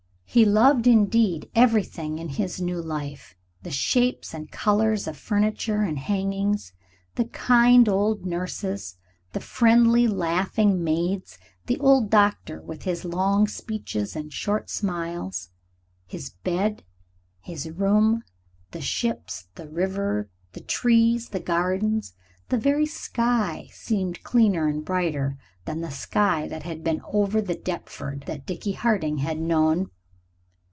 He loved, indeed, everything in this new life the shapes and colors of furniture and hangings, the kind old nurse, the friendly, laughing maids, the old doctor with his long speeches and short smiles, his bed, his room, the ships, the river, the trees, the gardens the very sky seemed cleaner and brighter than the sky that had been over the Deptford that Dickie Harding had known.